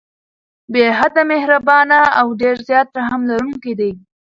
بې حده مهربان او ډير زيات رحم لرونکی دی